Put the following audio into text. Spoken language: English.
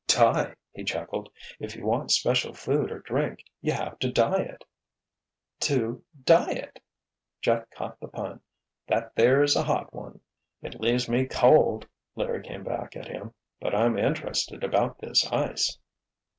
"Dye!" he chuckled. "If you want special food or drink you have to dye it!" "To diet!" Jeff caught the pun. "That there's a hot one!" "It leaves me 'cold'," Larry came back at him. "But I'm interested about this ice."